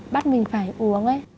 bắt mình phải uống ấy